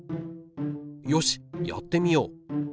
よしやってみよう。